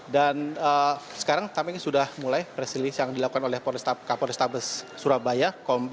dan sekarang tampilnya sudah mulai presilis yang dilakukan oleh kapolestabes surabaya